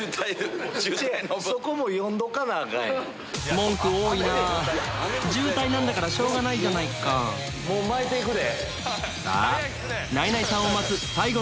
文句多いなぁ渋滞なんだからしょうがないじゃないかもう巻いていくで。